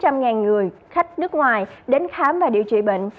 chỉ có hơn hai người khách nước ngoài đến khám và điều trị bệnh